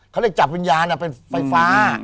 เขาเรียกจับวิญญาณเป็นไฟฟ้า